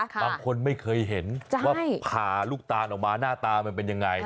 บางคนไม่เคยเห็นว่าผ่าลูกตานออกมาหน้าตามันเป็นยังไง